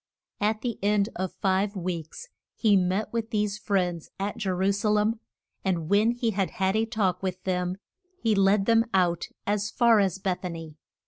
At the end of five weeks he met with these friends at Je ru sa lem. And when he had had a talk with them he led them out as far as Beth a ny.